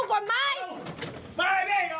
กำไร๊ทหาร